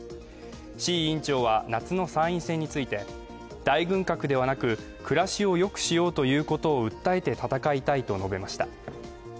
志位委員長は夏の参院選について大軍拡ではなく、暮らしをよくしようということを訴えて戦いたいと述べました。